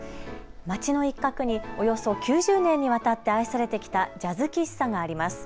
街の一角におよそ９０年にわたって愛されてきたジャズ喫茶があります。